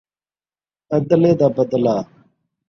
ادلے دا بدلہ